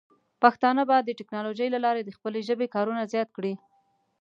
پښتانه به د ټیکنالوجۍ له لارې د خپلې ژبې کارونه زیات کړي.